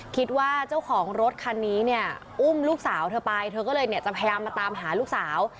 คิดว่าเจ้าของรถคันนี้เนี่ยอุ้มลูกสาวเธอไปเธอก็เลยเนี่ยจะพยายามมาตามหาลูกสาว